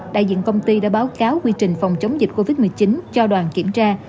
đại diện công ty đã báo cáo quy trình phòng chống dịch covid một mươi chín cho đoàn kiểm tra